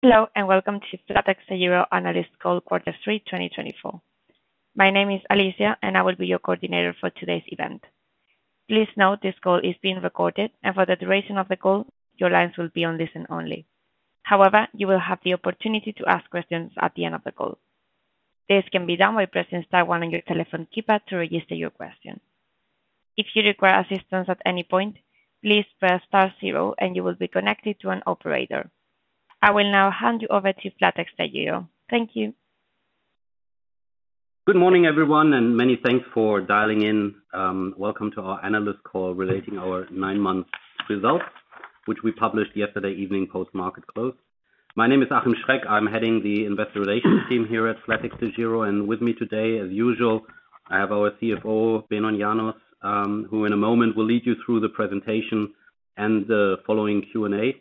Hello, and welcome to FlatexDEGIRO Analyst Call, Quarter Three, 2024. My name is Alicia, and I will be your coordinator for today's event. Please note this call is being recorded, and for the duration of the call, your lines will be on listen-only. However, you will have the opportunity to ask questions at the end of the call. This can be done by pressing star one on your telephone keypad to register your question. If you require assistance at any point, please press star zero and you will be connected to an operator. I will now hand you over to FlatexDEGIRO. Thank you. Good morning, everyone, and many thanks for dialing in. Welcome to our analyst call relating our nine-month results, which we published yesterday evening, post-market close. My name is Achim Schreck. I'm heading the investor relations team here at FlatexDEGIRO, and with me today, as usual, I have our CFO, Benon Janos, who in a moment will lead you through the presentation and the following Q&A.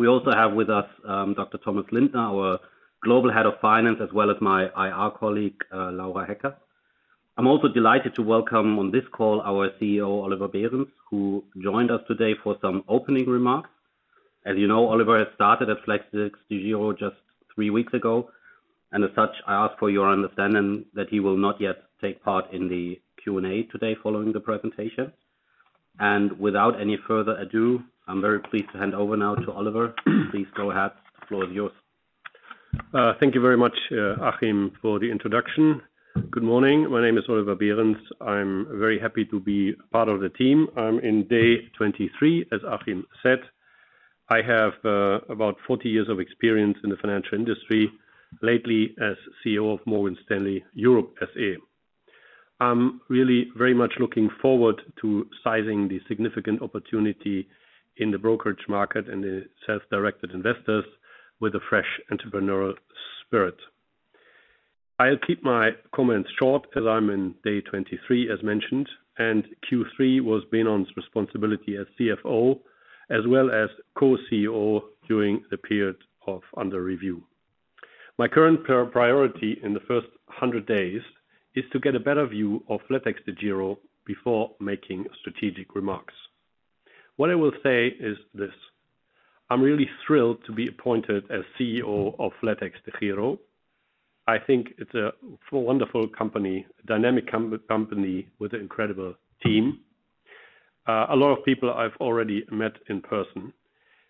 We also have with us, Dr. Thomas Lindner, our Global Head of Finance, as well as my IR colleague, Laura Hecker. I'm also delighted to welcome on this call, our CEO, Oliver Behrens, who joined us today for some opening remarks. As you know, Oliver has started at FlatexDEGIRO just three weeks ago, and as such, I ask for your understanding that he will not yet take part in the Q&A today following the presentation. Without any further ado, I'm very pleased to hand over now to Oliver. Please go ahead. The floor is yours. Thank you very much, Achim, for the introduction. Good morning. My name is Oliver Behrens. I'm very happy to be part of the team. I'm in day 23, as Achim said. I have about 40 years of experience in the financial industry, lately as CEO of Morgan Stanley Europe SE I'm really very much looking forward to sizing the significant opportunity in the brokerage market and the self-directed investors with a fresh entrepreneurial spirit. I'll keep my comments short, as I'm in day 23, as mentioned, and Q3 was Benon's responsibility as CFO, as well as co-CEO during the period of under review. My current priority in the first 100 days is to get a better view of FlatexDEGIRO before making strategic remarks. What I will say is this: I'm really thrilled to be appointed as CEO of FlatexDEGIRO. I think it's a wonderful company, dynamic company with an incredible team. A lot of people I've already met in person.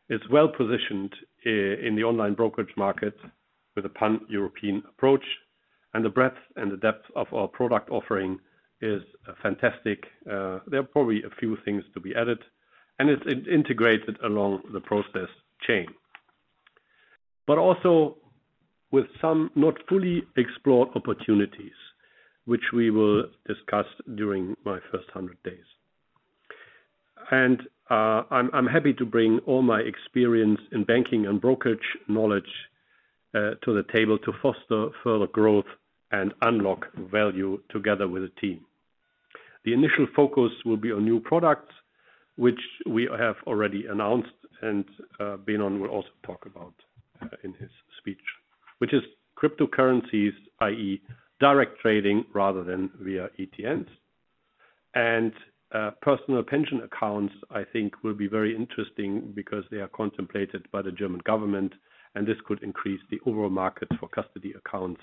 It's well-positioned in the online brokerage market with a pan-European approach, and the breadth and the depth of our product offering is fantastic. There are probably a few things to be added, and it's integrated along the process chain. But also with some not fully explored opportunities, which we will discuss during my first hundred days. I'm happy to bring all my experience in banking and brokerage knowledge to the table to foster further growth and unlock value together with the team. The initial focus will be on new products, which we have already announced, and Benon will also talk about in his speech, which is cryptocurrencies, i.e., direct trading rather than via ETNs. Personal pension accounts, I think, will be very interesting because they are contemplated by the German government, and this could increase the overall market for custody accounts,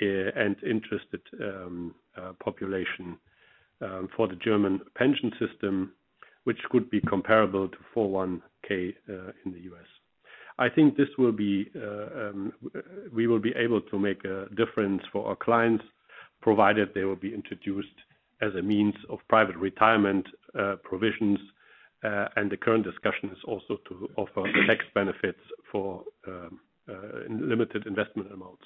and interested population, for the German pension system, which could be comparable to 401(k), in the U.S. I think this will be, we will be able to make a difference for our clients, provided they will be introduced as a means of private retirement provisions. The current discussion is also to offer tax benefits for limited investment amounts.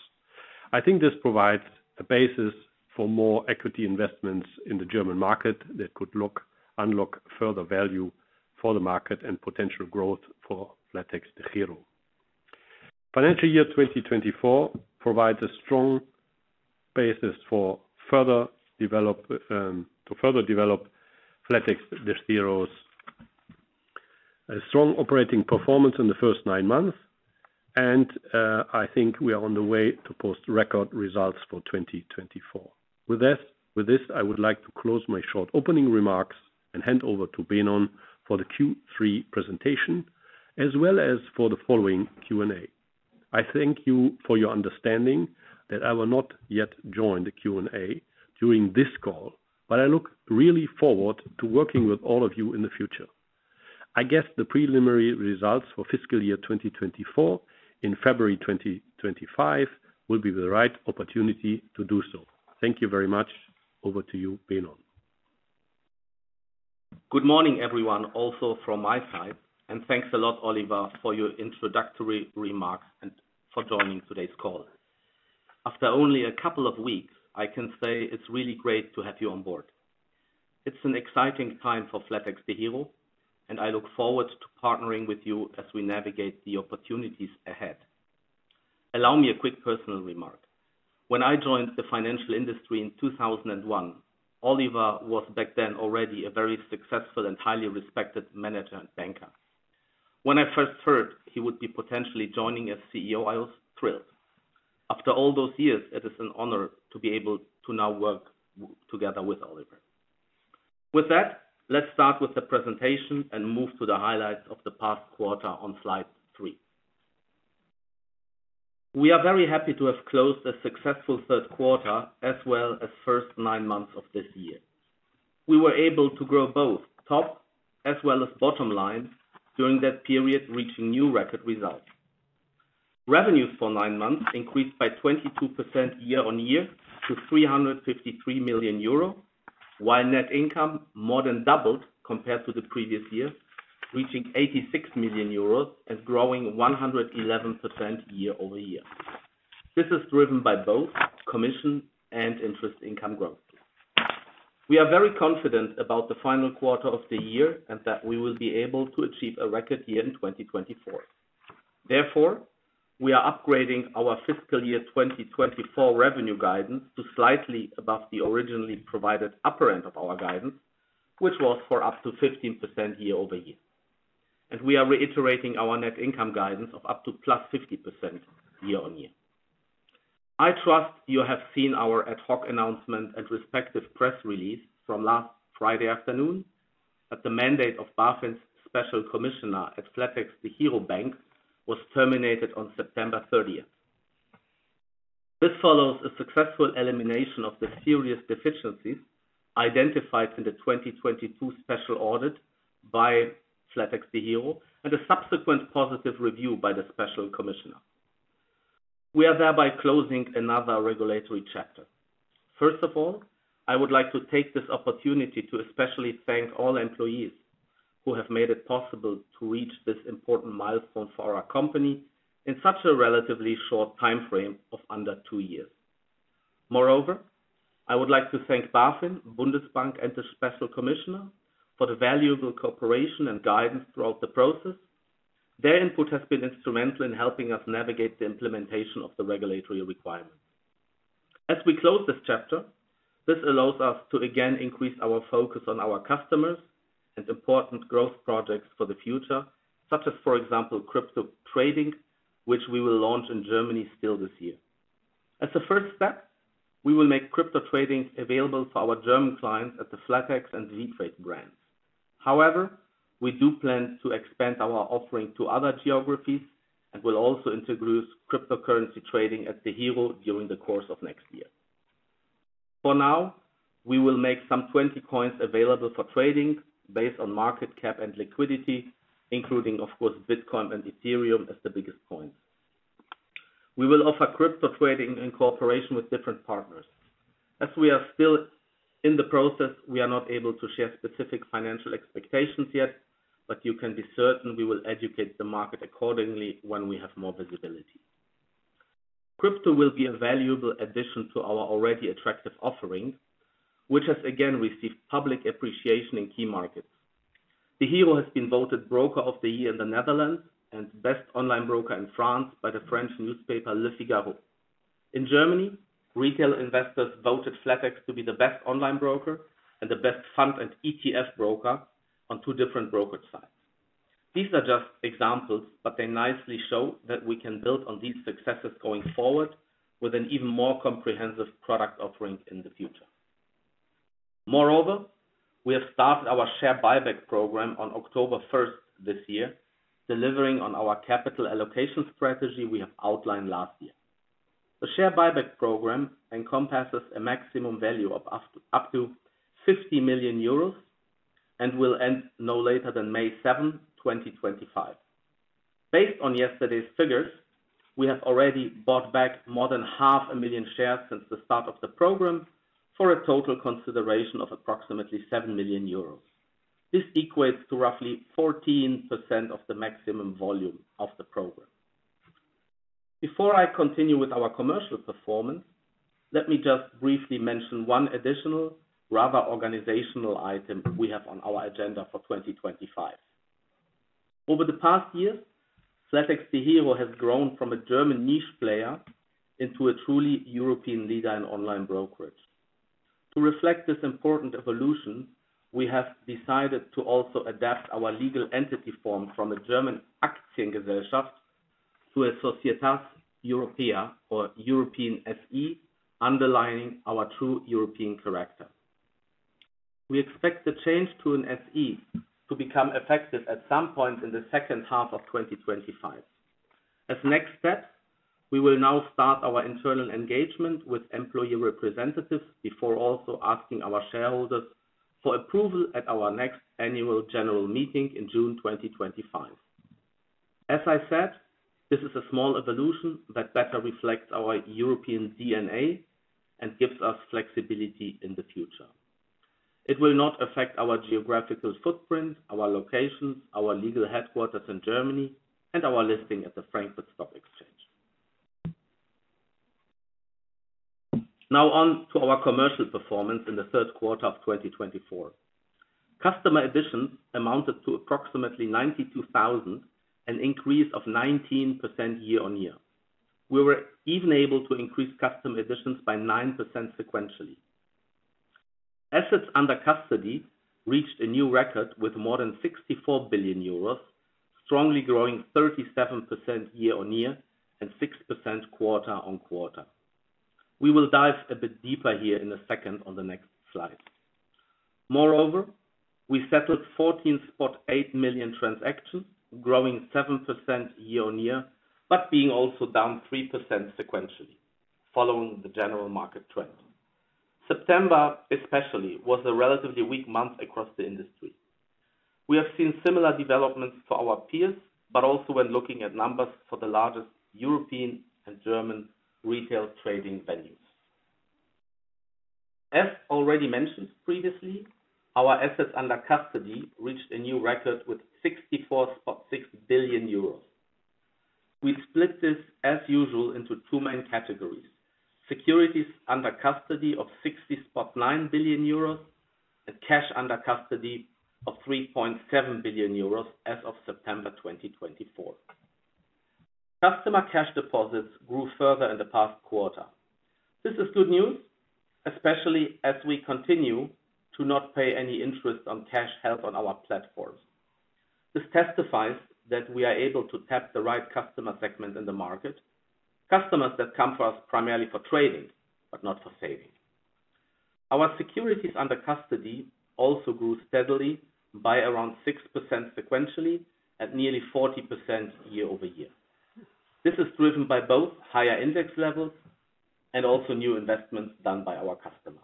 I think this provides a basis for more equity investments in the German market that could unlock further value for the market and potential growth for FlatexDEGIRO. Financial year 2024 provides a strong basis for further develop to further develop FlatexDEGIRO's strong operating performance in the first nine months, and I think we are on the way to post record results for 2024. With this, I would like to close my short opening remarks and hand over to Benon for the Q3 presentation, as well as for the following Q&A. I thank you for your understanding that I will not yet join the Q&A during this call, but I look really forward to working with all of you in the future. I guess the preliminary results for fiscal year 2024, in February 2025, will be the right opportunity to do so. Thank you very much. Over to you, Benon. Good morning, everyone, also from my side, and thanks a lot, Oliver, for your introductory remarks and for joining today's call. After only a couple of weeks, I can say it's really great to have you on board. It's an exciting time for FlatexDEGIRO, and I look forward to partnering with you as we navigate the opportunities ahead. Allow me a quick personal remark. When I joined the financial industry in two thousand and one, Oliver was back then already a very successful and highly respected manager and banker. When I first heard he would be potentially joining as CEO, I was thrilled. After all those years, it is an honor to be able to now work together with Oliver. With that, let's start with the presentation and move to the highlights of the past quarter on slide three. We are very happy to have closed a successful third quarter, as well as first nine months of this year. We were able to grow both top as well as bottom line during that period, reaching new record results. Revenues for nine months increased by 22% year-on-year to 353 million euro, while net income more than doubled compared to the previous year, reaching 86 million euros and growing 111% year-over-year. This is driven by both commission and interest income growth. We are very confident about the final quarter of the year and that we will be able to achieve a record year in 2024. Therefore, we are upgrading our fiscal year 2024 revenue guidance to slightly above the originally provided upper end of our guidance, which was for up to 15% year-over-year. And we are reiterating our net income guidance of up to +50% year-on-year. I trust you have seen our ad hoc announcement and respective press release from last Friday afternoon, that the mandate of BaFin's special commissioner at FlatexDEGIRO Bank was terminated on September thirtieth. This follows a successful elimination of the serious deficiencies identified in the 2022 special audit by FlatexDEGIRO, and a subsequent positive review by the special commissioner. We are thereby closing another regulatory chapter. First of all, I would like to take this opportunity to especially thank all employees who have made it possible to reach this important milestone for our company in such a relatively short time frame of under two years. Moreover, I would like to thank BaFin, Bundesbank, and the special commissioner for the valuable cooperation and guidance throughout the process. Their input has been instrumental in helping us navigate the implementation of the regulatory requirements. As we close this chapter, this allows us to again increase our focus on our customers and important growth projects for the future, such as, for example, crypto trading, which we will launch in Germany still this year. As a first step, we will make crypto trading available for our German clients at the Flatex and ViTrade brands. However, we do plan to expand our offering to other geographies, and will also introduce cryptocurrency trading at DEGIRO during the course of next year. For now, we will make some 20 coins available for trading based on market cap and liquidity, including, of course, Bitcoin and Ethereum as the biggest coins. We will offer crypto trading in cooperation with different partners. As we are still in the process, we are not able to share specific financial expectations yet, but you can be certain we will educate the market accordingly when we have more visibility. Crypto will be a valuable addition to our already attractive offering, which has again received public appreciation in key markets. DEGIRO has been voted Broker of the Year in the Netherlands, and Best Online Broker in France by the French newspaper, Le Figaro. In Germany, retail investors voted Flatex to be the best online broker and the best fund and ETF broker on two different brokerage sites. These are just examples, but they nicely show that we can build on these successes going forward with an even more comprehensive product offering in the future. Moreover, we have started our share buyback program on October first this year, delivering on our capital allocation strategy we have outlined last year. The share buyback program encompasses a maximum value of up to, up to 50 million euros and will end no later than May seventh, 2025. Based on yesterday's figures, we have already bought back more than 500,000 shares since the start of the program, for a total consideration of approximately 7 million euros. This equates to roughly 14% of the maximum volume of the program. Before I continue with our commercial performance, let me just briefly mention one additional, rather organizational item we have on our agenda for 2025. Over the past years, FlatexDEGIRO has grown from a German niche player into a truly European leader in online brokerage. To reflect this important evolution, we have decided to also adapt our legal entity form from a German Aktiengesellschaft to a Societas Europaea, or European SE, underlining our true European character. We expect the change to an SE to become effective at some point in the second half of 2025. As next step, we will now start our internal engagement with employee representatives before also asking our shareholders for approval at our next annual general meeting in June 2025. As I said, this is a small evolution that better reflects our European DNA and gives us flexibility in the future. It will not affect our geographical footprint, our locations, our legal headquarters in Germany, and our listing at the Frankfurt Stock Exchange. Now on to our commercial performance in the third quarter of 2024. Customer additions amounted to approximately 92,000, an increase of 19% year-on-year. We were even able to increase customer additions by 9% sequentially. Assets under custody reached a new record with more than 64 billion euros, strongly growing 37% year-on-year and 6% quarter-on-quarter. We will dive a bit deeper here in a second on the next slide. Moreover, we settled 14.8 million transactions, growing 7% year-on-year, but being also down 3% sequentially, following the general market trend. September, especially, was a relatively weak month across the industry. We have seen similar developments for our peers, but also when looking at numbers for the largest European and German retail trading venues. As already mentioned previously, our assets under custody reached a new record with 64.6 billion euros. We've split this, as usual, into two main categories: securities under custody of 69 billion euros, and cash under custody of 3.7 billion euros as of September 2024. Customer cash deposits grew further in the past quarter. This is good news, especially as we continue to not pay any interest on cash held on our platform. This testifies that we are able to tap the right customer segment in the market, customers that come to us primarily for trading, but not for saving. Our securities under custody also grew steadily by around 6% sequentially, at nearly 40% year-over-year. This is driven by both higher index levels and also new investments done by our customers.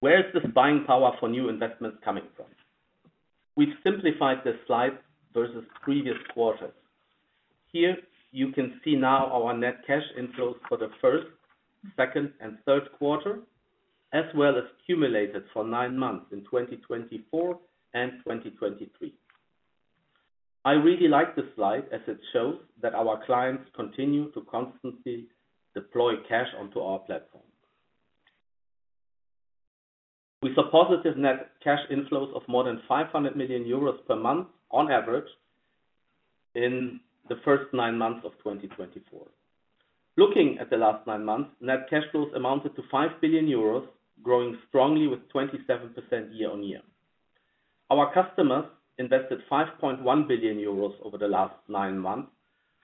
Where is this buying power for new investments coming from? We've simplified this slide versus previous quarters. Here, you can see now our net cash inflows for the first, second, and third quarter, as well as cumulated for nine months in 2024 and 2023. I really like this slide, as it shows that our clients continue to constantly deploy cash onto our platform. We saw positive net cash inflows of more than 500 million euros per month on average in the first nine months of 2024. Looking at the last nine months, net cash flows amounted to 5 billion euros, growing strongly with 27% year-on-year. Our customers invested 5.1 billion euros over the last nine months,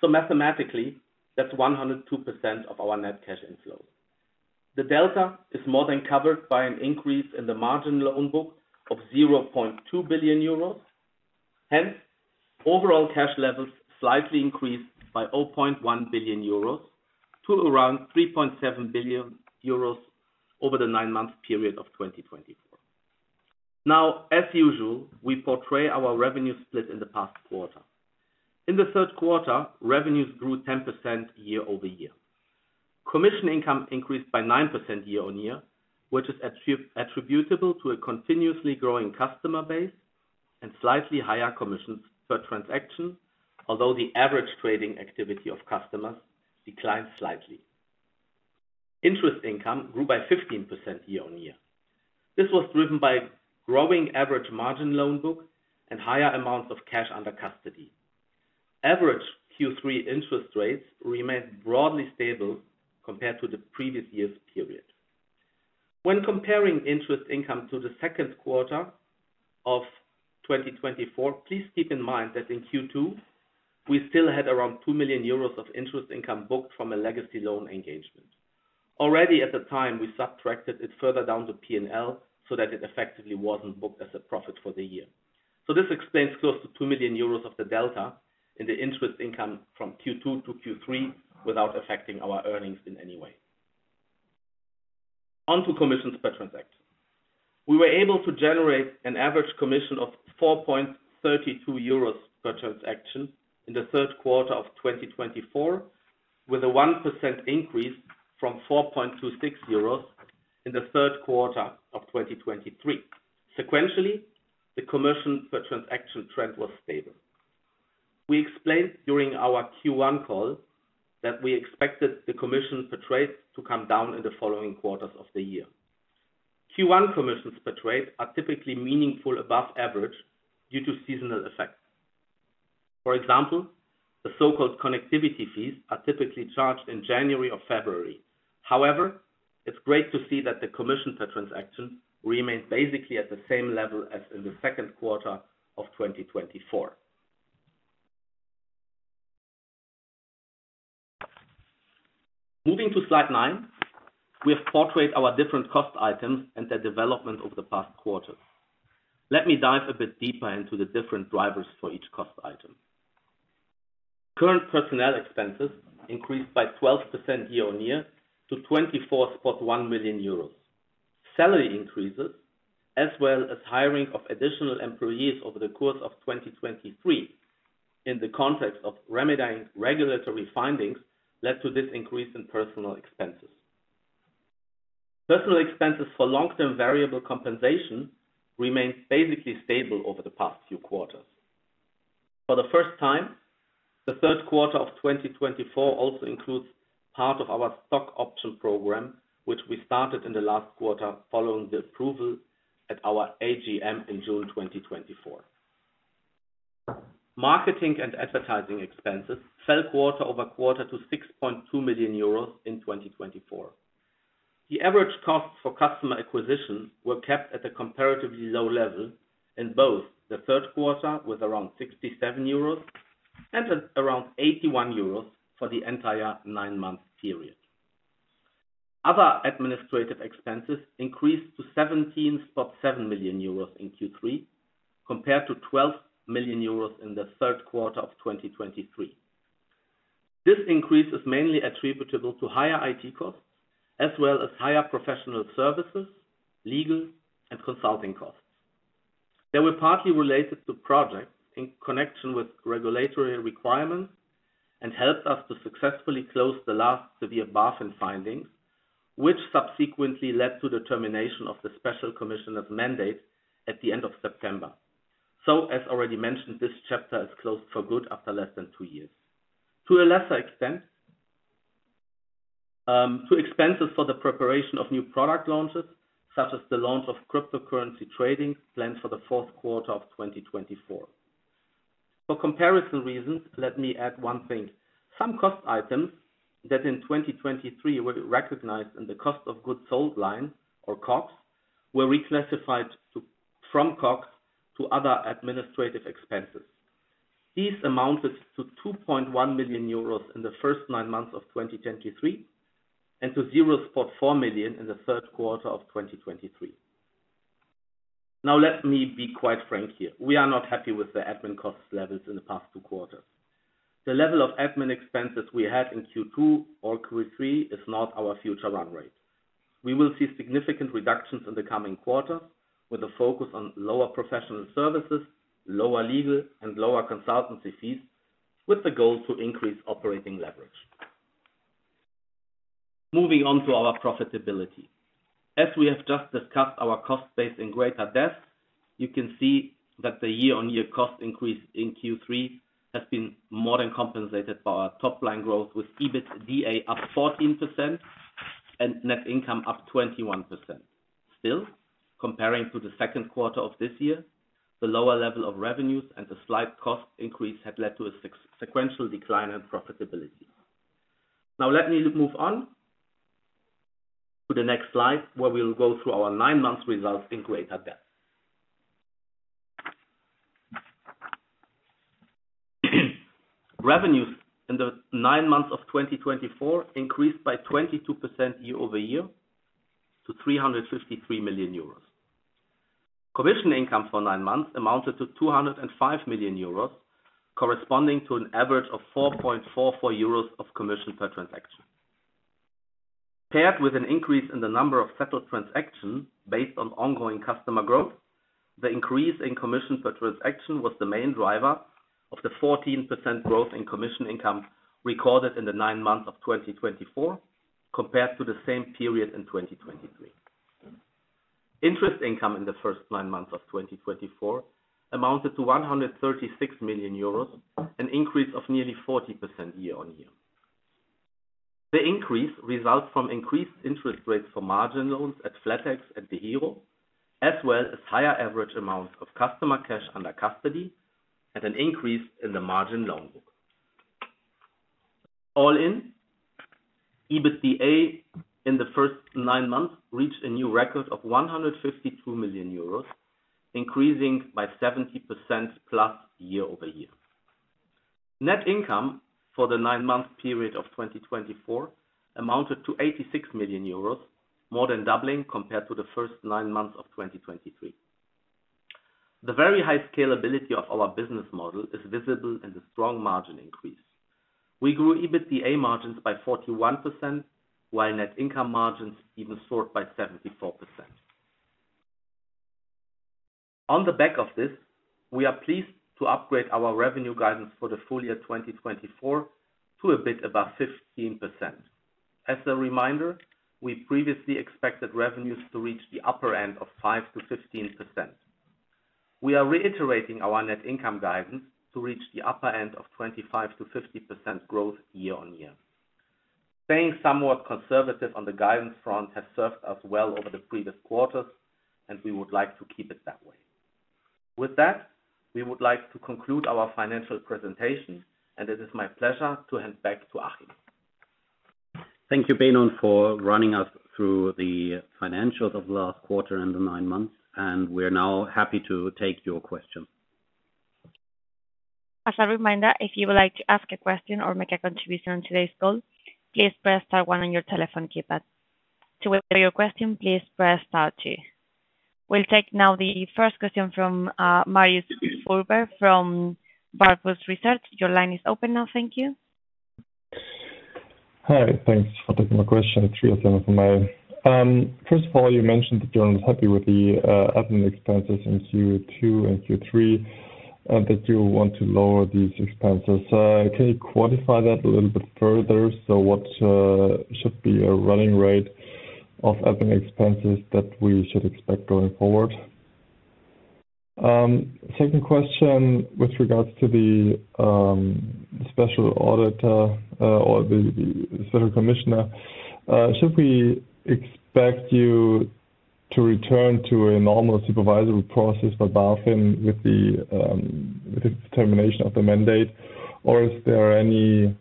so mathematically, that's 102% of our net cash inflow. The delta is more than covered by an increase in the margin loan book of 0.2 billion euros. Hence, overall cash levels slightly increased by 0.1 billion euros to around 3.7 billion euros over the nine-month period of 2024. Now, as usual, we portray our revenue split in the past quarter. In the third quarter, revenues grew 10% year-over-year. Commission income increased by 9% year-on-year, which is attributable to a continuously growing customer base and slightly higher commissions per transaction, although the average trading activity of customers declined slightly. Interest income grew by 15% year-on-year. This was driven by growing average margin loan book and higher amounts of cash under custody. Average Q3 interest rates remained broadly stable compared to the previous year's period. When comparing interest income to the second quarter of 2024, please keep in mind that in Q2, we still had around 2 million euros of interest income booked from a legacy loan engagement. Already at the time, we subtracted it further down the PNL, so that it effectively wasn't booked as a profit for the year. So this explains close to 2 million euros of the delta in the interest income from Q2 to Q3 without affecting our earnings in any way. Onto commissions per transaction. We were able to generate an average commission of 4.32 euros per transaction in the third quarter of 2024, with a 1% increase from 4.26 euros in the third quarter of 2023. Sequentially, the commission per transaction trend was stable. We explained during our Q1 call that we expected the commission per trade to come down in the following quarters of the year. Q1 commissions per trade are typically meaningful above average due to seasonal effects. For example, the so-called connectivity fees are typically charged in January or February. However, it's great to see that the commission per transaction remains basically at the same level as in the second quarter of 2024. Moving to slide nine, we have portrayed our different cost items and their development over the past quarter. Let me dive a bit deeper into the different drivers for each cost item. Current personnel expenses increased by 12% year-on-year to 24.1 million euros. Salary increases, as well as hiring of additional employees over the course of 2023, in the context of remedying regulatory findings, led to this increase in personnel expenses. Personal expenses for long-term variable compensation remained basically stable over the past few quarters. For the first time, the third quarter of 2024 also includes part of our stock option program, which we started in the last quarter following the approval at our AGM in June 2024. Marketing and advertising expenses fell quarter over quarter to 6.2 million euros in 2024. The average cost for customer acquisition were kept at a comparatively low level in both the third quarter, with around 67 euros, and at around 81 euros for the entire nine-month period. Other administrative expenses increased to 17.7 million euros in Q3, compared to 12 million euros in the third quarter of 2023. This increase is mainly attributable to higher IT costs, as well as higher professional services, legal and consulting costs. They were partly related to projects in connection with regulatory requirements, and helped us to successfully close the last severe BaFin findings, which subsequently led to the termination of the special commissioner's mandate at the end of September. So, as already mentioned, this chapter is closed for good after less than two years. To a lesser extent, to expenses for the preparation of new product launches, such as the launch of cryptocurrency trading planned for the fourth quarter of 2024. For comparison reasons, let me add one thing. Some cost items that in 2023 were recognized in the cost of goods sold line, or COGS, were reclassified to, from COGS to other administrative expenses. These amounted to 2.1 million euros in the first nine months of 2023, and to 0.4 million in the third quarter of 2023. Now, let me be quite frank here. We are not happy with the admin cost levels in the past two quarters. The level of admin expenses we had in Q2 or Q3 is not our future run rate. We will see significant reductions in the coming quarters, with a focus on lower professional services, lower legal and lower consultancy fees, with the goal to increase operating leverage. Moving on to our profitability. As we have just discussed our cost base in greater depth, you can see that the year-on-year cost increase in Q3 has been more than compensated by our top line growth, with EBITDA up 14% and net income up 21%. Still, comparing to the second quarter of this year, the lower level of revenues and the slight cost increase have led to a sequential decline in profitability. Now let me move on to the next slide, where we will go through our nine months results in greater depth. Revenues in the nine months of 2024 increased by 22% year-over-year to 353 million euros. Commission income for nine months amounted to 205 million euros, corresponding to an average of 4.44 euros of commission per transaction. Paired with an increase in the number of settled transactions based on ongoing customer growth, the increase in commission per transaction was the main driver of the 14% growth in commission income recorded in the nine months of 2024, compared to the same period in 2023. Interest income in the first nine months of 2024 amounted to 136 million euros, an increase of nearly 40% year-on-year. The increase results from increased interest rates for margin loans at Flatex and DEGIRO, as well as higher average amounts of customer cash under custody, and an increase in the margin loan book. All in, EBITDA in the first nine months reached a new record of 152 million euros, increasing by 70% plus year-over-year. Net income for the nine-month period of 2024 amounted to 86 million euros, more than doubling compared to the first nine months of 2023. The very high scalability of our business model is visible in the strong margin increase. We grew EBITDA margins by 41%, while net income margins even soared by 74%. On the back of this, we are pleased to upgrade our revenue guidance for the full year 2024 to a bit above 15%. As a reminder, we previously expected revenues to reach the upper end of 5%-15%. We are reiterating our net income guidance to reach the upper end of 25%-50% growth year-on-year. Staying somewhat conservative on the guidance front has served us well over the previous quarters, and we would like to keep it that way. With that, we would like to conclude our financial presentation, and it is my pleasure to hand back to Achim. Thank you, Benon, for running us through the financials of the last quarter and the nine months, and we're now happy to take your questions. As a reminder, if you would like to ask a question or make a contribution on today's call, please press star one on your telephone keypad. To withdraw your question, please press star two. We'll take now the first question from Marius Fuhrberg from Warburg Research. Your line is open now. Thank you. Hi, thanks for taking my question. It's Marius Fuhrberg. First of all, you mentioned that you're unhappy with the admin expenses in Q2 and Q3, and that you want to lower these expenses. Can you quantify that a little bit further? So what should be a running rate of admin expenses that we should expect going forward? Second question with regards to the special auditor or the special commissioner, should we expect you to return to a normal supervisory process for BaFin with the termination of the mandate, or is there any,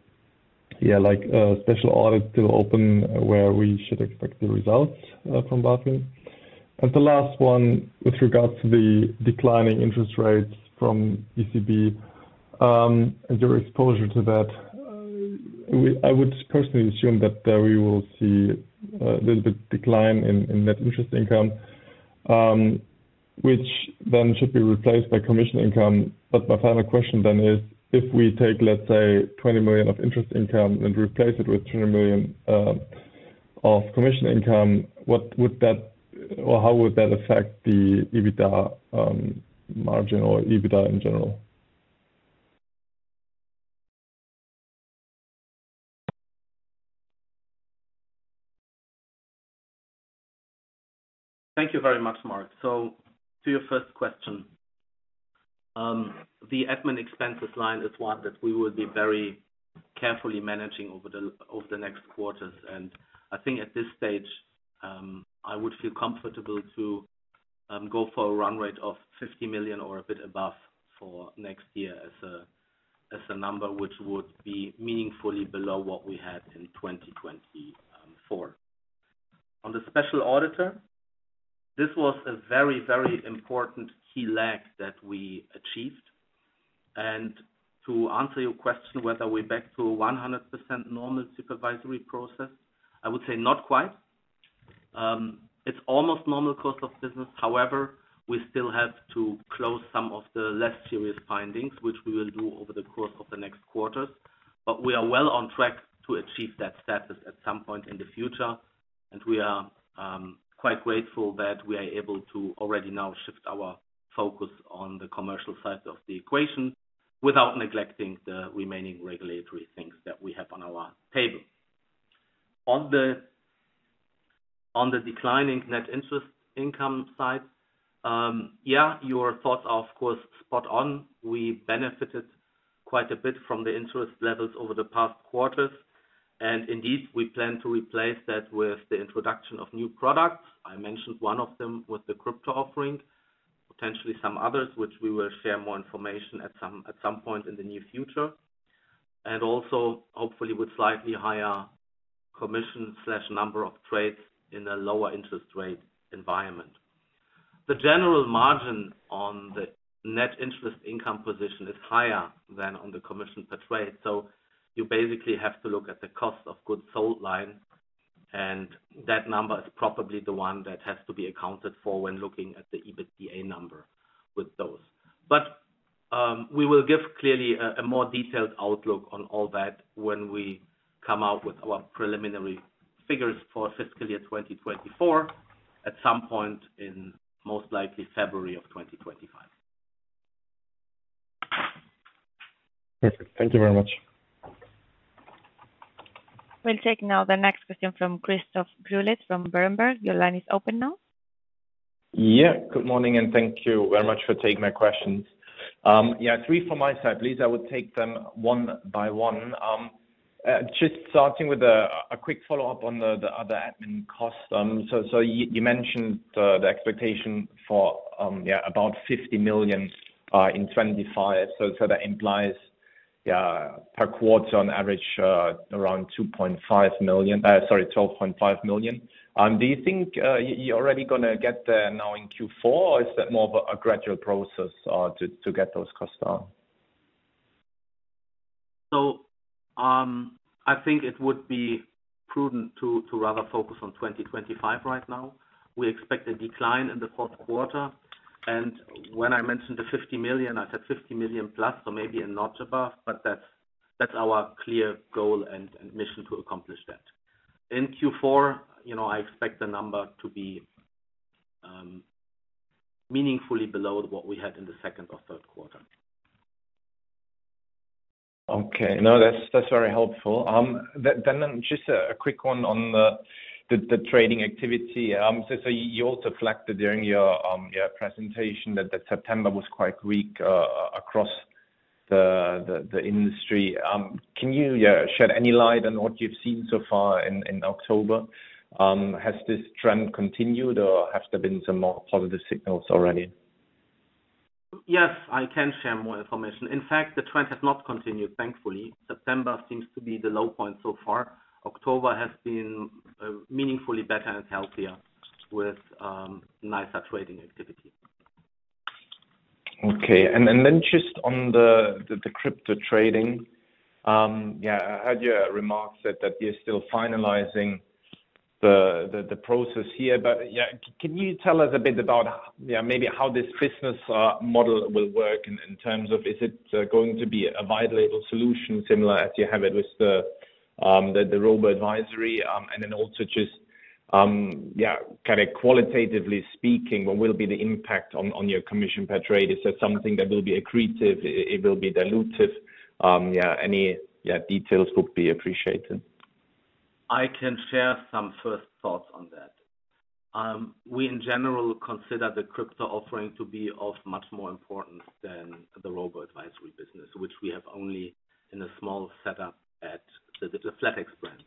yeah, like, special audit still open where we should expect the results from BaFin? And the last one, with regards to the declining interest rates from ECB, and your exposure to that, I would personally assume that there we will see a little bit decline in net interest income, which then should be replaced by commission income. But my final question then is: If we take, let's say, 20 million of interest income and replace it with 20 million of commission income, what would that or how would that affect the EBITDA margin or EBITDA in general? Thank you very much, Mark. So to your first question, the admin expenses line is one that we will be very carefully managing over the next quarters. And I think at this stage, I would feel comfortable to go for a run rate of 50 million or a bit above for next year as a number which would be meaningfully below what we had in 2024. On the special commissioner, this was a very, very important key milestone that we achieved. And to answer your question, whether we're back to 100% normal supervisory process, I would say not quite. It's almost normal course of business. However, we still have to close some of the less serious findings, which we will do over the course of the next quarters. But we are well on track to achieve that status at some point in the future. And we are quite grateful that we are able to already now shift our focus on the commercial side of the equation, without neglecting the remaining regulatory things that we have on our table. On the declining net interest income side, yeah, your thoughts are, of course, spot on. We benefited quite a bit from the interest levels over the past quarters, and indeed, we plan to replace that with the introduction of new products. I mentioned one of them with the crypto offering, potentially some others, which we will share more information at some point in the near future, and also, hopefully, with slightly higher commission/number of trades in a lower interest rate environment. The general margin on the net interest income position is higher than on the commission per trade. So you basically have to look at the cost of goods sold line, and that number is probably the one that has to be accounted for when looking at the EBITDA number with those. But we will give clearly a more detailed outlook on all that when we come out with our preliminary figures for fiscal year 2024, at some point in most likely February of 2025. Perfect. Thank you very much. We'll take now the next question from Christoph Greulich from Berenberg. Your line is open now. Yeah. Good morning, and thank you very much for taking my questions. Yeah, three from my side. Please, I would take them one by one. Just starting with a quick follow-up on the other admin costs. So you mentioned the expectation for yeah, about 50 million in 2025. So that implies, yeah, per quarter on average, around 2.5 million, sorry, 12.5 million. Do you think you're already gonna get there now in Q4, or is that more of a gradual process to get those costs down? I think it would be prudent to rather focus on 2025 right now. We expect a decline in the fourth quarter, and when I mentioned the 50 million, I said 50 million plus, so maybe a notch above, but that's our clear goal and mission to accomplish that. In Q4, you know, I expect the number to be meaningfully below what we had in the second or third quarter. Okay. No, that's, that's very helpful. Then just a quick one on the trading activity. So you also reflected during your presentation that September was quite weak across the industry. Can you shed any light on what you've seen so far in October? Has this trend continued, or have there been some more positive signals already? Yes, I can share more information. In fact, the trend has not continued, thankfully. September seems to be the low point so far. October has been meaningfully better and healthier with nicer trading activity. Okay. And then just on the crypto trading. I heard you remark that you're still finalizing the process here. But can you tell us a bit about maybe how this business model will work in terms of is it going to be a white-label solution, similar as you have it with the robo-advisory? And then also kind of qualitatively speaking, what will be the impact on your commission per trade? Is that something that will be accretive, it will be dilutive? Details would be appreciated. I can share some first thoughts on that. We in general consider the crypto offering to be of much more importance than the robo-advisory business, which we have only in a small setup at the Flatex brand.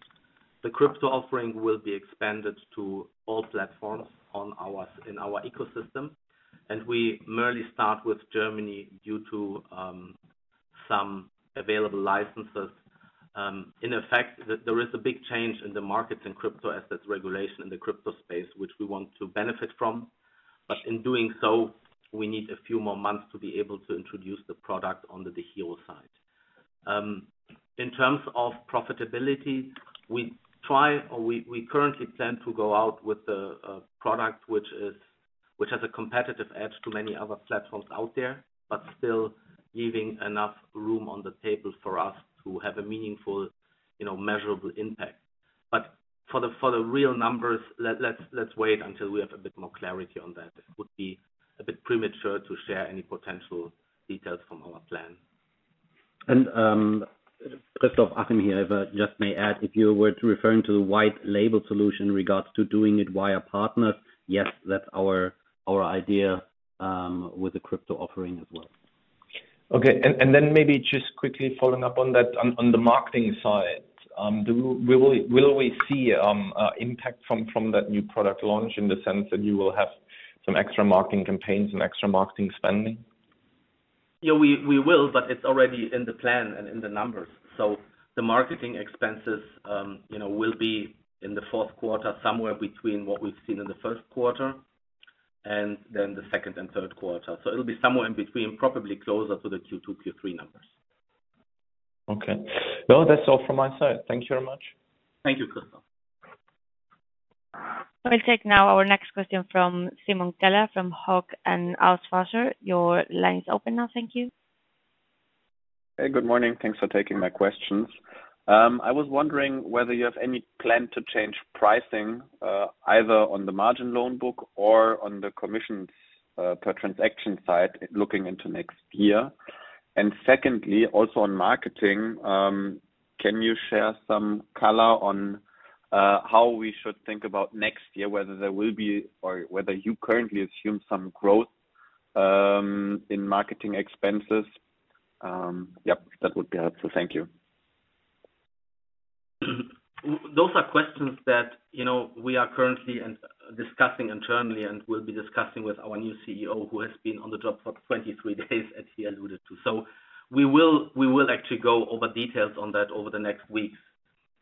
The crypto offering will be expanded to all platforms in our ecosystem, and we merely start with Germany due to some available licenses. In effect, there is a big change in the markets and crypto-assets regulation in the crypto space, which we want to benefit from, but in doing so, we need a few more months to be able to introduce the product on the DEGIRO side. In terms of profitability, we currently plan to go out with the product, which has a competitive edge to many other platforms out there, but still leaving enough room on the table for us to have a meaningful, you know, measurable impact. But for the real numbers, let's wait until we have a bit more clarity on that. It would be a bit premature to share any potential details from our plan. And, Christoph, Achim here, I just may add, if you were to referring to the white label solution regards to doing it via partners, yes, that's our idea with the crypto offering as well. Okay. And then maybe just quickly following up on that, on the marketing side, will we see an impact from that new product launch, in the sense that you will have some extra marketing campaigns and extra marketing spending? Yeah, we will, but it's already in the plan and in the numbers. So the marketing expenses, you know, will be in the fourth quarter, somewhere between what we've seen in the first quarter, and then the second and third quarter. So it'll be somewhere in between, probably closer to the Q2, Q3 numbers. Okay. Well, that's all from my side. Thank you very much. Thank you, Christoph. I'll take now our next question from Simon Keller from Hauck & Aufhäuser. Your line is open now. Thank you. Hey, good morning. Thanks for taking my questions. I was wondering whether you have any plan to change pricing, either on the margin loan book or on the commissions, per transaction side, looking into next year? And secondly, also on marketing, can you share some color on, how we should think about next year, whether there will be, or whether you currently assume some growth, in marketing expenses? Yep, that would be helpful. Thank you. Those are questions that, you know, we are currently and discussing internally, and we'll be discussing with our new CEO, who has been on the job for 23 days, as he alluded to. So we will actually go over details on that over the next weeks,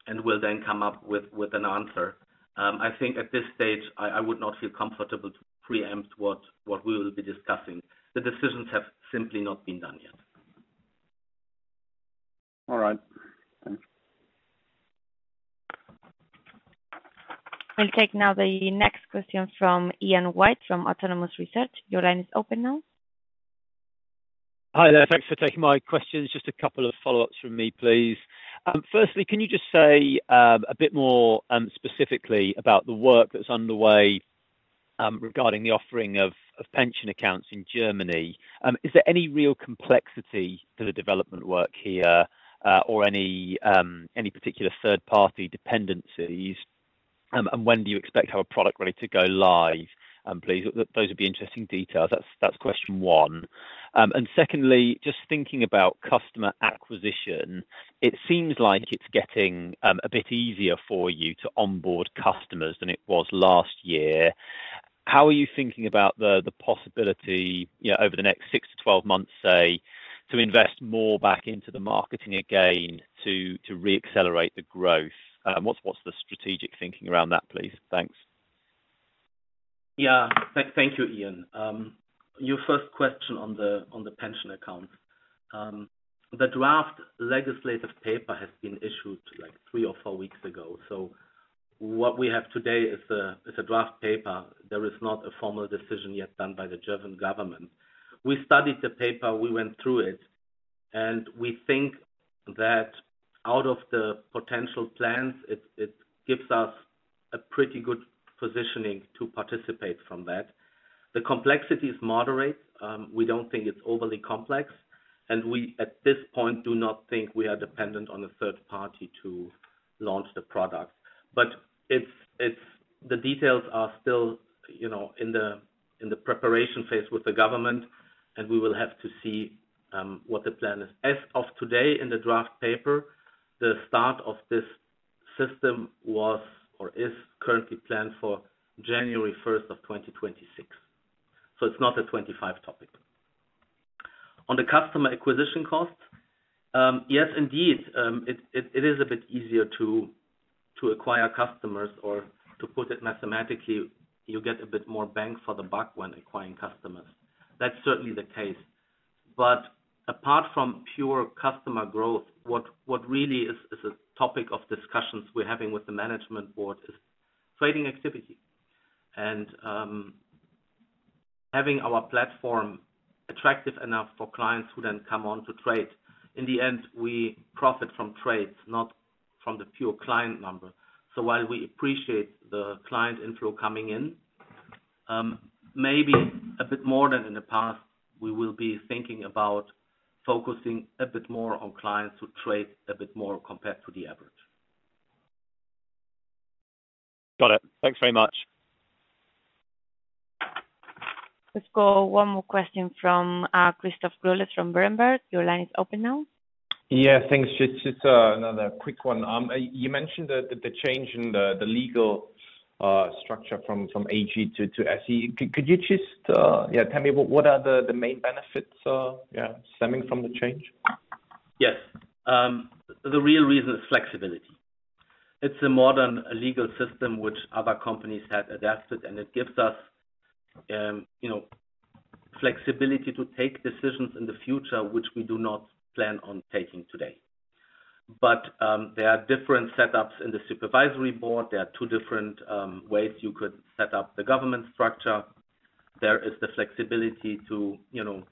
and we'll then come up with an answer. I think at this stage, I would not feel comfortable to preempt what we will be discussing. The decisions have simply not been done yet. All right. Thanks. We'll take now the next question from Ian White, from Autonomous Research. Your line is open now. Hi there. Thanks for taking my questions. Just a couple of follow-ups from me, please. Firstly, can you just say a bit more specifically about the work that's underway regarding the offering of pension accounts in Germany? Is there any real complexity to the development work here, or any particular third-party dependencies? And when do you expect to have a product ready to go live, please? Those would be interesting details. That's question one. And secondly, just thinking about customer acquisition, it seems like it's getting a bit easier for you to onboard customers than it was last year. How are you thinking about the possibility, you know, over the next six to twelve months, say, to invest more back into the marketing again, to re-accelerate the growth? What's the strategic thinking around that, please? Thanks. Yeah. Thank you, Ian. Your first question on the pension account. The draft legislative paper has been issued, like, three or four weeks ago. So what we have today is a draft paper. There is not a formal decision yet done by the German government. We studied the paper, we went through it, and we think that out of the potential plans, it gives us a pretty good positioning to participate from that. The complexity is moderate. We don't think it's overly complex, and we, at this point, do not think we are dependent on a third party to launch the product. But it's the details are still, you know, in the preparation phase with the government, and we will have to see what the plan is. As of today, in the draft paper, the start of this system was or is currently planned for January first of 2026, so it's not a 2025 topic. On the customer acquisition costs, yes, indeed, it is a bit easier to acquire customers, or to put it mathematically, you get a bit more bang for the buck when acquiring customers. That's certainly the case. But apart from pure customer growth, what really is a topic of discussions we're having with the management board is trading activity and having our platform attractive enough for clients who then come on to trade. In the end, we profit from trades, not from the pure client number. So while we appreciate the client inflow coming in, maybe a bit more than in the past, we will be thinking about focusing a bit more on clients who trade a bit more compared to the average. Got it. Thanks very much. Let's go one more question from, Christoph Greulich from Berenberg. Your line is open now. Yeah, thanks. Just another quick one. You mentioned the change in the legal structure from AG to SE. Could you just tell me what are the main benefits stemming from the change? Yes. The real reason is flexibility. It's a modern legal system which other companies have adapted, and it gives us, you know, flexibility to take decisions in the future, which we do not plan on taking today. But, there are different setups in the supervisory board. There are two different ways you could set up the government structure. There is the flexibility to, you know,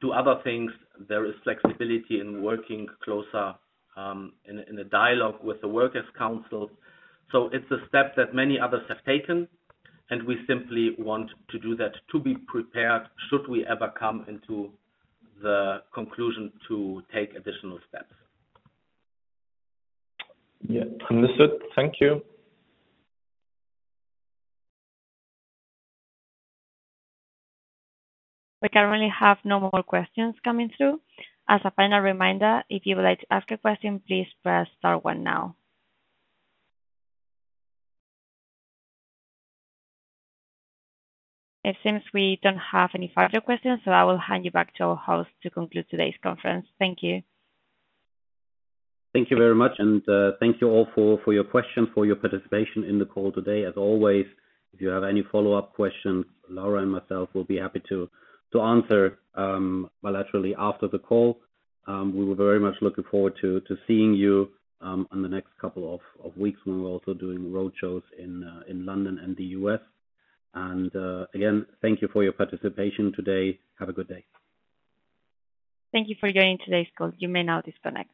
do other things. There is flexibility in working closer, in a dialogue with the workers council. So it's a step that many others have taken, and we simply want to do that, to be prepared, should we ever come into the conclusion to take additional steps. Yeah. Understood. Thank you. We currently have no more questions coming through. As a final reminder, if you would like to ask a question, please press star one now. It seems we don't have any further questions, so I will hand you back to our host to conclude today's conference. Thank you. Thank you very much, and thank you all for your questions, for your participation in the call today. As always, if you have any follow-up questions, Laura and myself will be happy to answer bilaterally after the call. We were very much looking forward to seeing you in the next couple of weeks, when we're also doing roadshows in London and the U.S. And again, thank you for your participation today. Have a good day. Thank you for joining today's call. You may now disconnect.